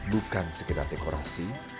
bukan sekedar dekorasi